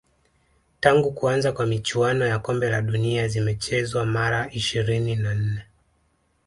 tangu kuanza kwa michuano ya kombe la dunia zimechezwa mara ishiri na nne